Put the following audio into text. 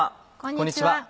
こんにちは。